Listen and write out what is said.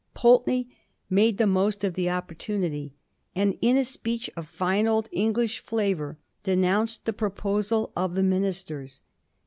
Pulteney made the most of the opportunity, and in a speech of fine old English flavour denounced the proposal of the ministers.